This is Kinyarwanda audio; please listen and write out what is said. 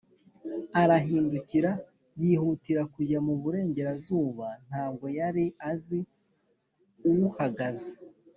arahindukira; yihutira kujya mu burengerazuba; ntabwo yari azi uhagaze